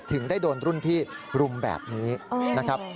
ถึงได้โดนรุ่นพี่รุมแบบนี้นะครับ